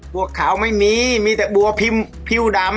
บัวขาวไม่มีมีแต่บัวพิมพ์ผิวดำ